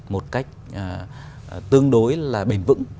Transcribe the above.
một cách tương đối là bền vững